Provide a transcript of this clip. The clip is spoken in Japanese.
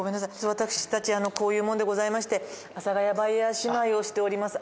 私たちこういう者でございまして阿佐ヶ谷バイヤー姉妹をしております